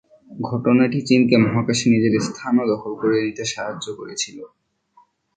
ঘটনাটি চীনকে মহাকাশে নিজের স্থান ও দখল নিতে সাহায্য করেছিল।